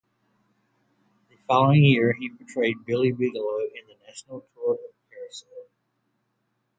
The following year, he portrayed Billy Bigelow in the national tour of "Carousel".